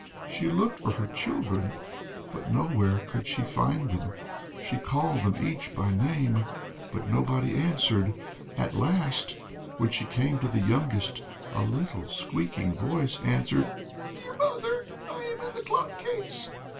She looked for her children, but nowhere could she find them; she called them each by name, but nobody answered. At last, when she came to the youngest, a little squeaking voice answered, "Dear mother, I am in the clock case."